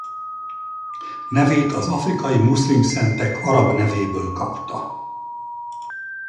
Nevét az afrikai muszlim szentek arab nevéből kapta.